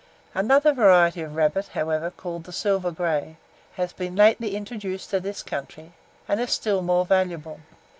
Another variety of the rabbit, however, called the "silver grey," has been lately introduced to this country, and is still more valuable.